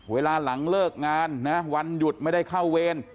เวลาหลังเลิกงานนะวันหยุดไม่ได้เข้าเวร